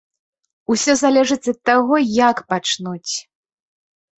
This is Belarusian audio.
Усё залежыць ад таго, як пачнуць.